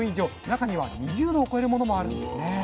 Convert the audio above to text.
中には２０度を超えるものもあるんですね。